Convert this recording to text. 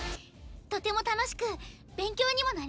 とても楽しく勉強にもなりました。